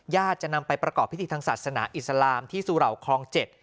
จะนำไปประกอบพิธีทางศาสนาอิสลามที่สุเหล่าคลอง๗